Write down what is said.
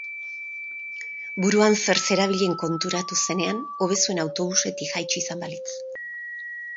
Buruan zer zerabilen konturatu zenean, hobe zuen autobusetik jaitsi izan balitz.